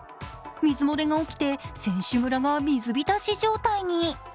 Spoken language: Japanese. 水漏れが起きて、選手村が水浸し状態に。